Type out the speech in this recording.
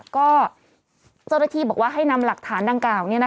ก็เจ้าหน้าที่บอกว่าให้นำหลักฐานดังกล่าว